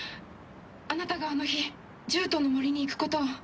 あなたがあの日獣人の森に行くことを。